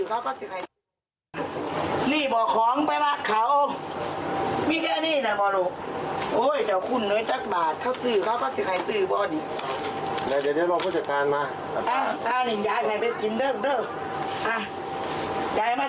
ก็สงสารสิมนุษย์คนเรามนุษย์ด้วยกัน